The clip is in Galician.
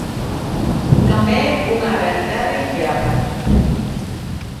Non é unha realidade illada.